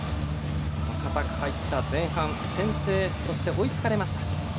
戦った前半、先制そして、追いつかれました。